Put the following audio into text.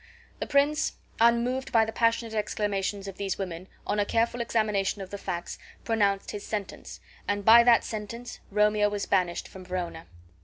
The prince, unmoved by the passionate exclamations of these women, on a careful examination of the facts pronounced his sentence, and by that sentence Romeo was banished from Verona.